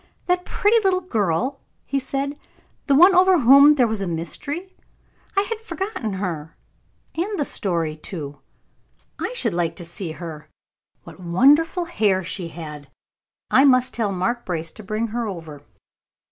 "That pretty little girl," he said; "the one over whom there was a mystery. I had forgotten her, and the story too. I should like to see her. What wonderful hair she had. I must tell Mark Brace to bring her over."